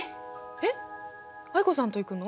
えっ藍子さんと行くの？